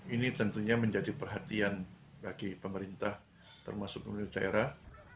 ini tentunya menjadi perhatian bagi pemerintah termasuk pemerintah daerah